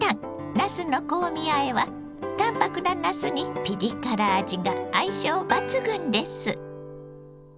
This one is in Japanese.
なすの香味あえは淡白ななすにピリ辛味が相性抜群です。